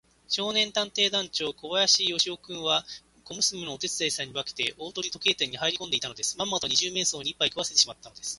少年探偵団長小林芳雄君は、小娘のお手伝いさんに化けて、大鳥時計店にはいりこんでいたのです。まんまと二十面相にいっぱい食わせてしまったのです。